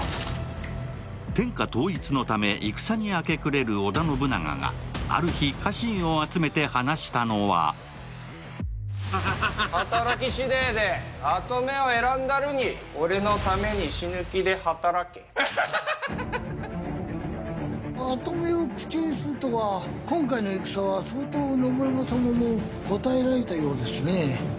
天下統一のため戦に明け暮れる織田信長がある日家臣を集めて話したのは働きしでえで跡目を選んだるに俺のために死ぬ気で働けハハハ・跡目を口にするとは今回の戦は相当信長様も堪えられたようですね